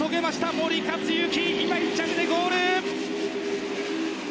森且行、１着でゴール！